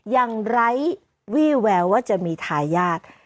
ยังไร้วี่แววว่าจะมีถ่ายญาติ